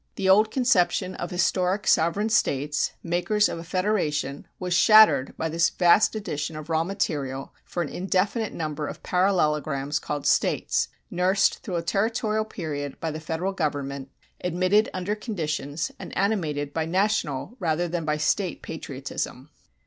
The old conception of historic sovereign States, makers of a federation, was shattered by this vast addition of raw material for an indefinite number of parallelograms called States, nursed through a Territorial period by the Federal government, admitted under conditions, and animated by national rather than by State patriotism.